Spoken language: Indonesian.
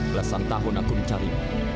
belasan tahun aku mencari